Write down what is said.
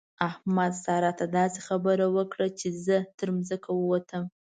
احمد؛ سارا ته داسې خبرې وکړې چې زه تر ځمکه ووتم.